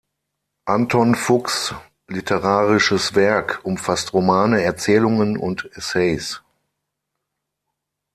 Anton Fuchs' literarisches Werk umfasst Romane, Erzählungen und Essays.